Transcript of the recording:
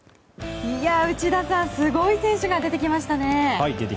内田さん、すごい選手が出てきましたね。